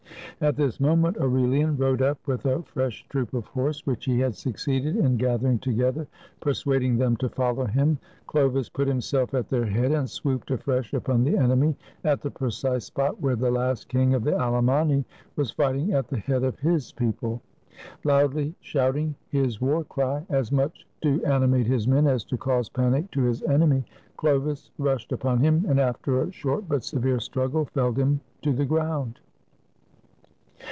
At this moment Aurelian rode up with a fresh troop of horse, which he had succeeded in gathering together, persuading them to follow him. Chlovis put himself at their head, and swooped afresh upon the enemy, at the precise spot where the last King of the Alemanni was fighting at the head of his people. Loudly shouting his war cry, as much to animate his men as to cause panic to his enemy, Chlovis rushed upon him, and after a short but severe struggle, felled him to the ground.